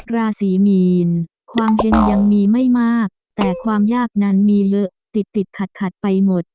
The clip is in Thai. ราศีมีนความเห็นยังมีไม่มากแต่ความยากนั้นมีเลอะติดติดขัดขัดไปหมด